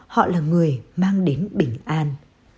họ là người mang đến bình an